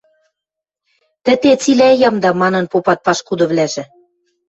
Тӹте цилӓ ямда, — манын попат пашкудывлӓжӹ.